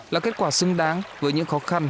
là kết quả xứng đáng với những khó khăn